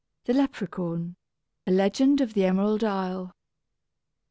THE LEPERHAUN: _A Legend of the Emerald Isle.